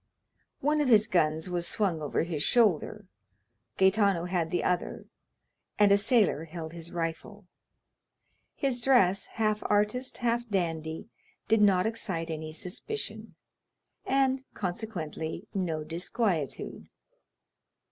One of his guns was swung over his shoulder, Gaetano had the other, and a sailor held his rifle; his dress, half artist, half dandy, did not excite any suspicion, and, consequently, no disquietude.